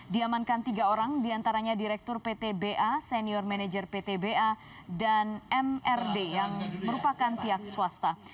diamankan tiga orang diantaranya direktur ptba senior manager ptba dan mrd yang merupakan pihak swasta